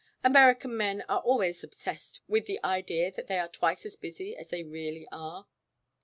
American men are always obsessed with the idea that they are twice as busy as they really are."